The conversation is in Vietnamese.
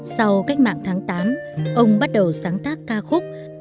sau cách mạng tháng tám ông bắt đầu sáng tác ca khúc